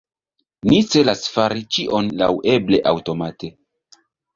Ni celas fari ĉion laŭeble aŭtomate.